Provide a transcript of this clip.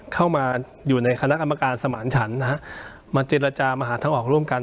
เข้ามาอยู่ในคณะกรรมการสมานฉันนะฮะมาเจรจามาหาทางออกร่วมกัน